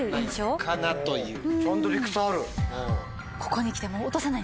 ここに来てもう。